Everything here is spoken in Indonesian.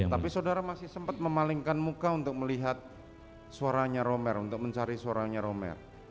tapi saudara masih sempat memalingkan muka untuk melihat suaranya romer untuk mencari suaranya romer